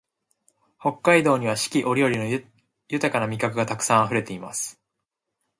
北海道には四季折々の豊な味覚がたくさんあふれています